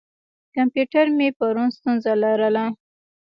کمپیوټر مې پرون ستونزه لرله.